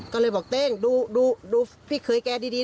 ก็เลยบอกเต้งดูพี่เคยแกดี